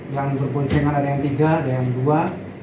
yang berboncengan ada yang tiga ada yang dua